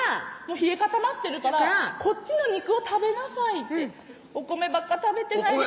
「冷え固まってるからこっちの肉を食べなさい」って「お米ばっか食べてないで」